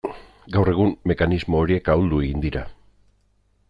Gaur egun mekanismo horiek ahuldu egin dira.